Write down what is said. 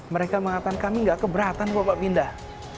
mereka mengatakan kami nggak keberatan bawa bawa pindah